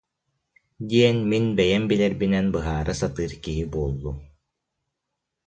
диэн мин бэйэм билэрбинэн быһаара сатыыр киһи буоллум